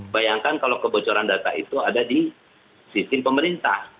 bayangkan kalau kebocoran data itu ada di sistem pemerintah